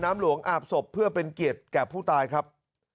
น้ำหลวงอาบศพเพื่อเป็นเกียรติแก่ผู้ตายครับ